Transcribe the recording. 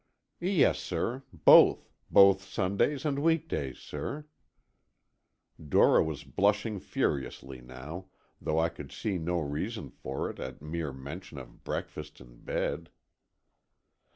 "Yes, sir. Both—both Sundays and weekdays, sir." Dora was blushing furiously now, though I could see no reason for it at mere mention of breakfast in bed.